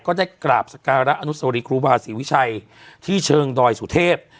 ก็ได้กราบสการะอนุสวรีครูบาศรีวิชัยที่เชิงดอยสุเทพ